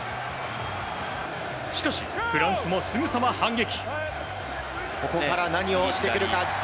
しかし、フランスもすぐさま反撃。